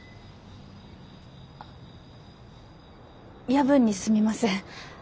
夜分にすみません。